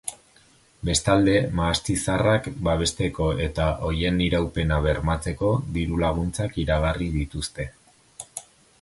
Bestalde, mahasti zaharrak babesteko eta horien iraupena bermatzeko diru-laguntzak iragarri dituzte.